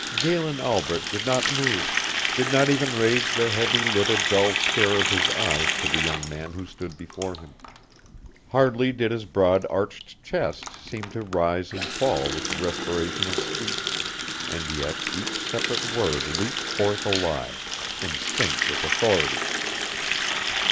Galen Albret did not move, did not even raise the heavy lidded, dull stare of his eyes to the young man who stood before him; hardly did his broad arched chest seem to rise and fall with the respiration of speech; and yet each separate word leaped forth alive, instinct with authority.